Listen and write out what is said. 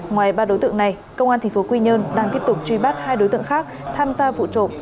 ngoài ba đối tượng này công an tp quy nhơn đang tiếp tục truy bắt hai đối tượng khác tham gia vụ trộm